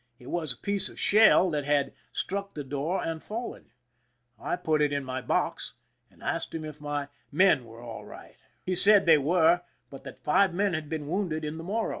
It was a piece of shell that had struck the door and fallen. I put it in my box, and asked him if my men were all right. 206 IMPRISONMENT IN MORRO CASTLE He said they were, but that five men had been wounded in the Morro.